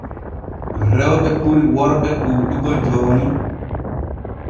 Rewɓe ɓuri worɓe ɗuuɗugo jooni.